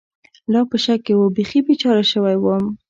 لا په شک کې و، بېخي بېچاره شوی ووم.